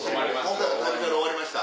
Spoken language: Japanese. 今回の『旅猿』終わりました。